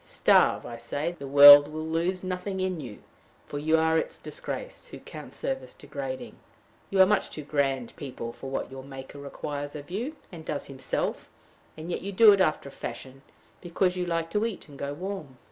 Starve, I say; the world will lose nothing in you, for you are its disgrace, who count service degrading. You are much too grand people for what your Maker requires of you, and does himself, and yet you do it after a fashion, because you like to eat and go warm.